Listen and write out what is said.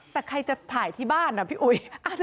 แต่ใครจะถ่ายที่บ้านนะพี่อุ๋ย